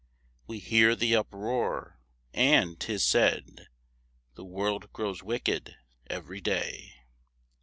We hear the uproar, and 'tis said, The world grows wicked every day.